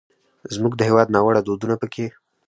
زموږ د هېواد ناوړه دودونه پکې